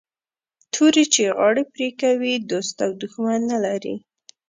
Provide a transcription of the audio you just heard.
توري چي غاړي پرې کوي دوست او دښمن نه لري